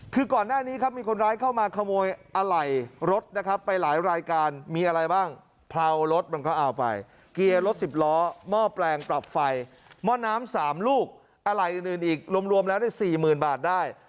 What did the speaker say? คือก่อนหน้านี้ครับมีคนร้ายเข้ามาขโมยอะไหล่รถนะครับไปหลายรายการมีอะไรบ้างเผารถมันก็เอาไปเกียร์รถสิบล้อหม้อแปลงปรับไฟหม้อน้ำ๓ลูกอะไหล่อื่นอีกรวมแล้ว๔๐๐๐บาทได้